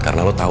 karena lo tahu